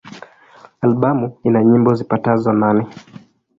Albamu ina nyimbo zipatazo nane.